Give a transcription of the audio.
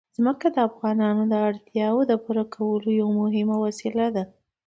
ځمکه د افغانانو د اړتیاوو د پوره کولو یوه مهمه وسیله ده.